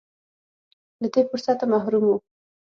له دې فرصته محروم و.